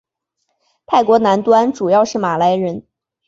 泰国南端主要是马来人。